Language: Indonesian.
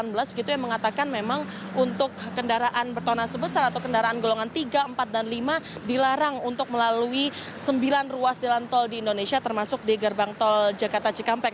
begitu yang mengatakan memang untuk kendaraan bertona sebesar atau kendaraan golongan tiga empat dan lima dilarang untuk melalui sembilan ruas jalan tol di indonesia termasuk di gerbang tol jakarta cikampek